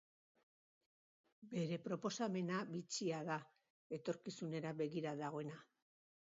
Bere proposamena bitxia da, etorkizunera begira dagoena.